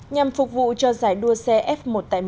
nhằm phục vụ cho giải đua xe f một trăm tám mươi một